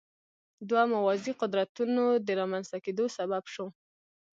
دوه موازي قدرتونو د رامنځته کېدو سبب شو.